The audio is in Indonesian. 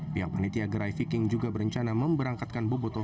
pihak panitia gerai viking juga berencana memberangkatkan boboto